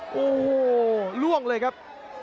โอ้โหล่วงเลยครับ